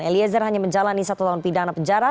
eliezer hanya menjalani satu tahun pidana penjara